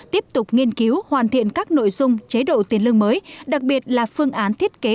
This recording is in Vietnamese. tiếp tục nghiên cứu hoàn thiện các nội dung chế độ tiền lương mới đặc biệt là phương án thiết kế